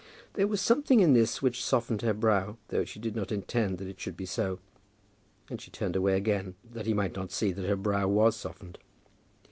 There was something in this which softened her brow, though she did not intend that it should be so; and she turned away again, that he might not see that her brow was softened.